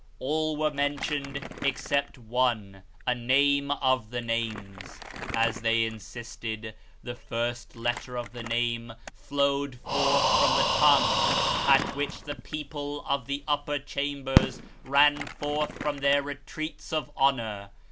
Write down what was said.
All were mentioned, except one, a name of the names. As they insisted, the first letter of the name flowed forth from the tongue; at which the people of the upper chambers ran forth from their retreats of honour.